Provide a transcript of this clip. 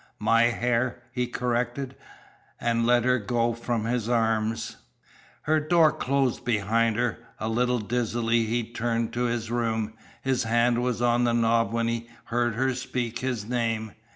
"My hair," he corrected, and let her go from his arms. Her door closed behind her. A little dizzily he turned to his room. His hand was on the knob when he heard her speak his name.